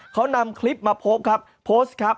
เขานำคลิปมาโพสต์ครับโพสต์ครับ